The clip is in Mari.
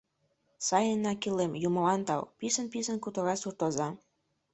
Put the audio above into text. — Сайынак илем, Юмылан тау! — писын-писын кутыра суртоза.